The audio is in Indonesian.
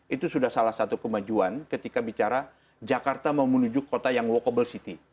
itu sudah salah satu kemajuan ketika bicara jakarta mau menuju kota yang wacable city